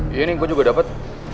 iya nih gue juga dapet